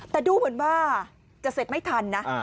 แต่ดูเหมือนว่าจะเสร็จไม่ทันนะ